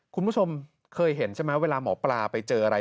คุณผู้ชมเคยเห็นใช่ไหมเวลาหมอปลาไปเจออะไร